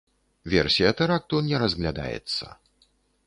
Версія тэракту не разглядаецца.